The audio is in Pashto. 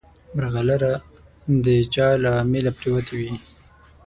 مرغلره د چا له امیله پرېوتې وي.